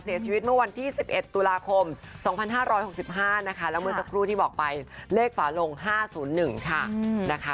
เสียชีวิตเมื่อวันที่๑๑ตุลาคม๒๕๖๕นะคะ